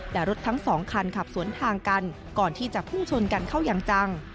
แต่รถทั้งสองคันขับสวนทางกันก่อนที่จะพุ่งชนกันเข้าอย่างจัง